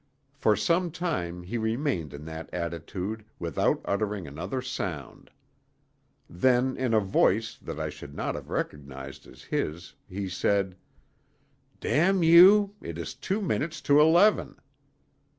For some time he remained in that attitude without uttering another sound; then, in a voice that I should not have recognized as his, he said: "Damn you! it is two minutes to eleven!"